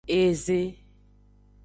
Eze.